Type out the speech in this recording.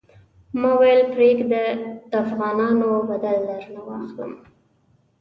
ما ویل پرېږده د افغانانو بدل درنه واخلم.